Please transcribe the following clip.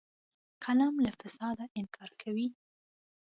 قلم له فساده انکار کوي